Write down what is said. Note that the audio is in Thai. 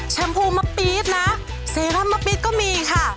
ชมพูมะปี๊ดนะซีร่ำมะปี๊ดก็มีค่ะ